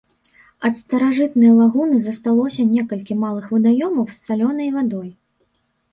Ад старажытнай лагуны засталося некалькі малых вадаёмаў з салёнай вадой.